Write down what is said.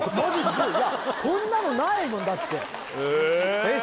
こんなのないもんだってえっ